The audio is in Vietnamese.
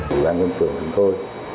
ủy ban nhân dân phường thường thôi